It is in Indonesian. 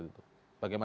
ya sekarang gini